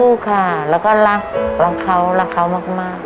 สู้ค่ะแล้วก็รักเขามาก